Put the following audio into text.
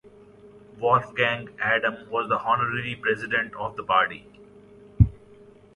Wolfgang Adam was the honorary president of the party.